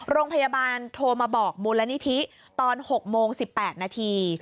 โรงพยาบาลโทรมาบอกมูลนิธิตอน๖โมง๑๘นาที